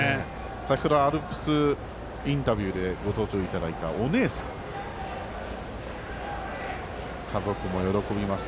先ほどアルプスインタビューでご登場いただいたお姉さん家族も喜びます。